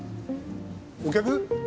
お客？